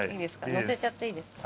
のせちゃっていいですか？